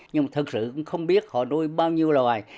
nhưng mà thật sự cũng không biết họ đuôi bao nhiêu loài